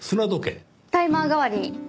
タイマー代わりに。